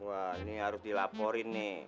wah ini harus dilaporin nih